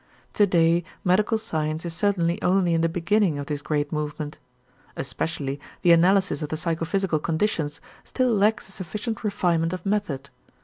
To day medical science is certainly only in the beginning of this great movement. Especially the analysis of the psychophysical conditions still lacks a sufficient refinement of method.